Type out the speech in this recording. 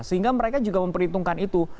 sehingga mereka juga memperhitungkan itu